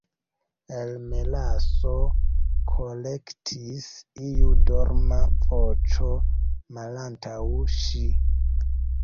"El melaso," korektis iu dorma voĉo malantaŭ ŝi.